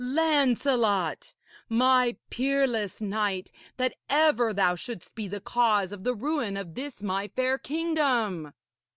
Lancelot! my peerless knight, that ever thou shouldst be the cause of the ruin of this my fair kingdom!'